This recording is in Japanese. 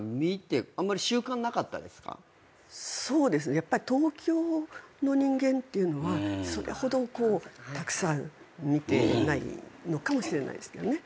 やっぱり東京の人間っていうのはそれほどたくさん見てないのかもしれないですね。